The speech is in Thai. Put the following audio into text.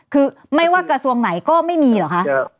คือไม่ว่ากระทรวงไหนก็ไม่มีเหรอคะ